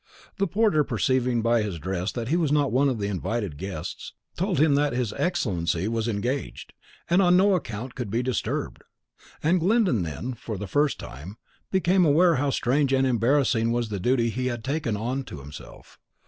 The porter, perceiving by his dress that he was not one of the invited guests, told him that his Excellency was engaged, and on no account could be disturbed; and Glyndon then, for the first time, became aware how strange and embarrassing was the duty he had taken on himself.